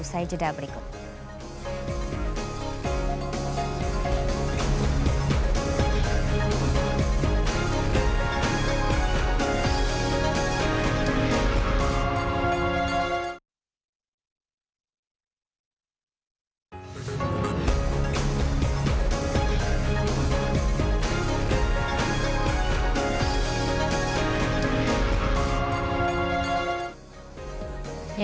saya jedah berikut